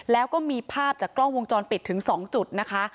แล้วก็มีภาพจากกล้องวงจรปิดถึง๒จุดนะคะ